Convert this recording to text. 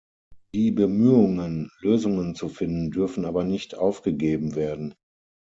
Die Bemühungen, Lösungen zu finden, dürfen aber nicht aufgegeben werden.